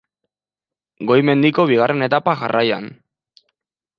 Goi-mendiko bigarren etapa jarraian.